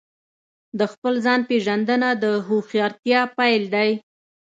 د خپل ځان پېژندنه د هوښیارتیا پیل دی.